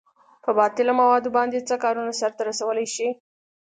په باطله موادو باندې څه کارونه سرته رسولئ شئ؟